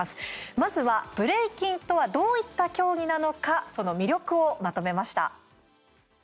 まずは、ブレイキンとはどういった競技なのかその魅力をまとめました。